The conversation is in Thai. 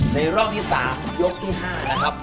รอบที่๓ยกที่๕นะครับ